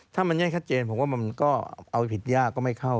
ถ้ามันยังชัดเจนผมว่ามันก็เอาผิดยากก็ไม่เข้า